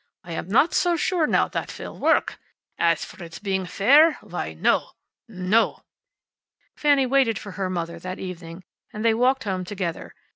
"I am not so sure now that it will work. As for its being fair! Why, no! No!" Fanny waited for her mother that evening, and they walked home together.